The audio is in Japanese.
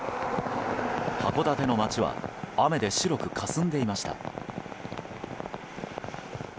函館の街は雨で白くかすんでいました。